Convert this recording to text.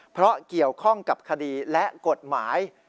เพราะเกี่ยวข้องกับคดีและกฎหมาย